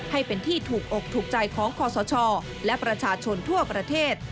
ให้เป็นที่ถูกอกถูกใจของคอสชและประชาชนทั่วประเทศ